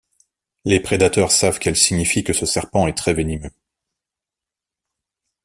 Les prédateurs savent qu’elles signifient que ce serpent est très venimeux.